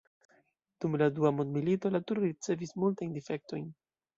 Dum la Dua mondmilito la turo ricevis multajn difektojn.